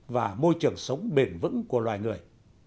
và môi trường sống bền vững của loài người